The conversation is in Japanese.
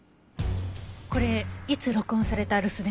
これいつ録音された留守電？